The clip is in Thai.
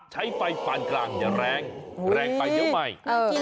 ซึ่งไปฝั่นกลางอย่าแรงแรงไปเดียวใหม่